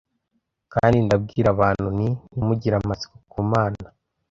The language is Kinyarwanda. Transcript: Kandi ndabwira abantu nti: Ntimugire amatsiko ku Mana,